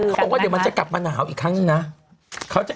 เขาบอกว่าเดี๋ยวมันจะกลับมาหนาวอีกครั้งหนึ่งนะ